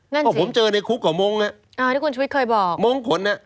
นั่นสิเพราะผมเจอในคุกก่อมงค์น่ะอ่าที่คุณชวิตเคยบอกมงค์ขนอ่ะ